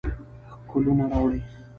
ښکلونه راوړي